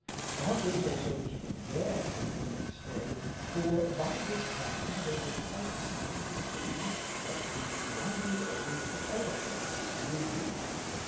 The hunters also came there the next day, for by this time they were quite excited to see what the wily old elephant would do.